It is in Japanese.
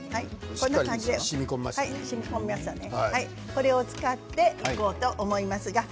これを使っていこうと思います。